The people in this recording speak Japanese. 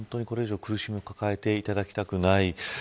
これ以上、苦しみを抱えていただきたくない。